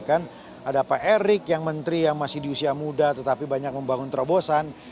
ada pak erik yang menteri yang masih di usia muda tetapi banyak membangun terobosan